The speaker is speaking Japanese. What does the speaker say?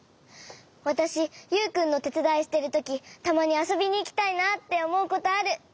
わたしユウくんのてつだいしてるときたまにあそびにいきたいなっておもうことある！